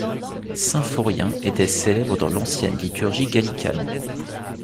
Symphorien était célèbre dans l’ancienne liturgie gallicane.